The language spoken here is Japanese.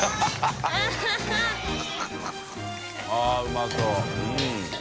△うまそう。